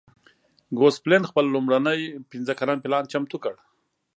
ګوسپلن خپل لومړنی پنځه کلن پلان چمتو کړ.